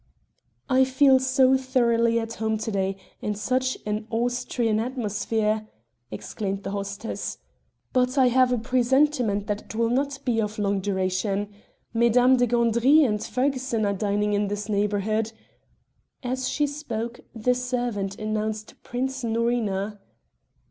"I feel so thoroughly at home to day in such an Austrian atmosphere...." exclaimed the hostess. "But I have a presentiment that it will not be of long duration. Mesdames de Gandry and Ferguson are dining in this neighborhood...." As she spoke the servant announced Prince Norina.